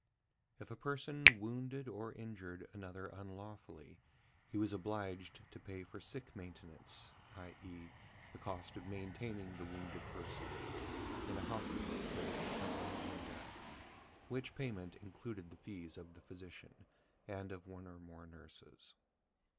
If a person wounded or injured another unlawfully, he was obliged to pay for "sick maintenance," i.e., the cost of maintaining the wounded person in a hospital till recovery or death; which payment included the fees of the physician and of one or more nurses.